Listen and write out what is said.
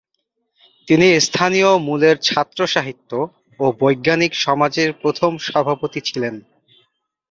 তিনি স্থানীয় মূলের ছাত্র সাহিত্য ও বৈজ্ঞানিক সমাজের প্রথম সভাপতি ছিলেন।